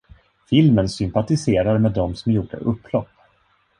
Filmen sympatiserar med de som gjorde upplopp.